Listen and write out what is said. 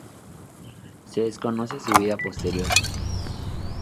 Se desconoce su vida posterior.